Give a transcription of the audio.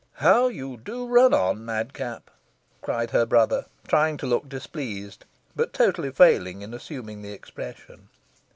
"How you do run on, madcap!" cried her brother, trying to look displeased, but totally failing in assuming the expression.